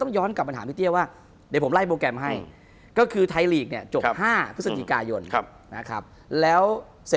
คุณผู้ชมบางท่าอาจจะไม่เข้าใจที่พิเตียร์สาร